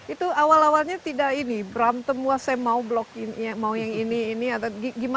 itu awal awalnya tidak ini berantem wah saya mau blok ini mau yang ini ini atau gimana